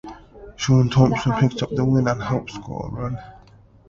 Sean Thompson picked up the win and helped score a run.